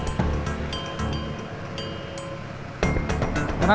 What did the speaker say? tidak ada yang bisa dihentikan